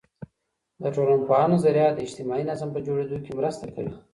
د ټولنپوهانو نظریات د اجتماعي نظم په جوړیدو کي مرسته کوي.